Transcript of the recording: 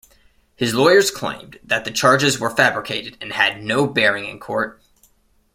His lawyers claimed that the charges were fabricated and had no bearing in court.